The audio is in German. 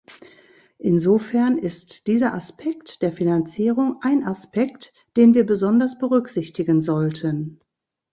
Insofern ist dieser Aspekt der Finanzierung ein Aspekt, den wir besonders berücksichtigen sollten.